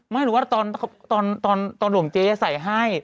ไม่รู้ว่าตอนหลวงเจ๊ใส่ให้